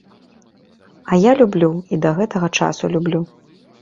А я люблю, і да гэтага часу люблю.